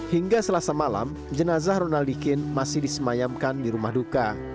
hingga selasa malam jenazah ronaldiqin masih disemayamkan di rumah duka